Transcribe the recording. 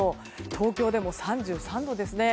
東京でも３３度ですね。